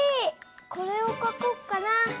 これをかこっかな。